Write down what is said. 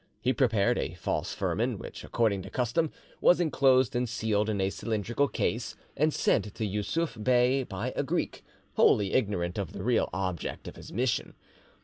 He prepared a false firman, which, according to custom, was enclosed and sealed in a cylindrical case, and sent to Yussuf Bey by a Greek, wholly ignorant of the real object of his mission.